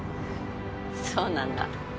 そうなんだ。